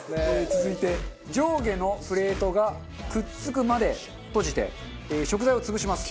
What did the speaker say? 続いて上下のプレートがくっつくまで閉じて食材を潰します。